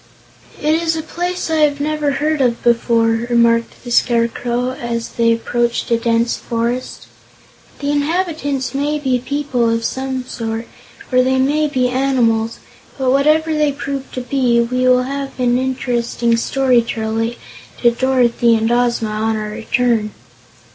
"It is a place I have never heard of before," remarked the Scarecrow, as they approached a dense forest. "The inhabitants may be people, of some sort, or they may be animals, but whatever they prove to be, we will have an interesting story to relate to Dorothy and Ozma on our return."